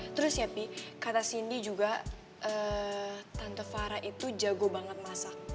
terus ya pi kata cindy juga tante farah itu jago banget masak